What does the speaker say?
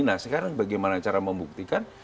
nah sekarang bagaimana cara membuktikan